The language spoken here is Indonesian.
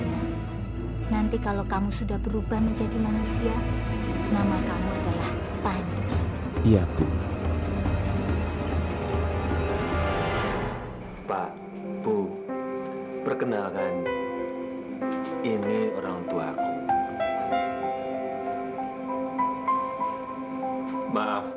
sumi kenapa kamu tidak bilang bilang sama ibu atau bapak